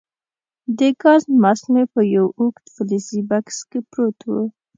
د ګاز ماسک مې په یو اوږد فلزي بکس کې پروت وو.